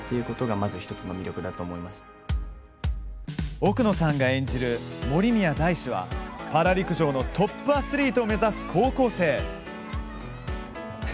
奥野さんが演じる森宮大志はパラ陸上のトップアスリートを目指す高校生。